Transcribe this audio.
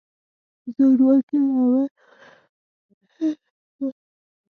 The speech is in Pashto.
زورواکۍ له امله ولسواکي هیره شوه.